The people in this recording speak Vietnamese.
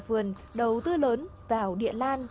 nhà vườn đầu tư lớn vào địa lan